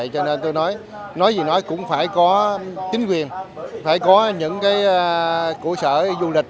cho nên tôi nói nói gì nói cũng phải có chính quyền phải có những cụ sở du lịch